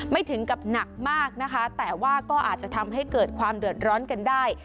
ถึงกับหนักมากนะคะแต่ว่าก็อาจจะทำให้เกิดความเดือดร้อนกันได้